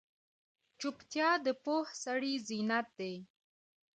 چوپتیا، د پوه سړي زینت دی.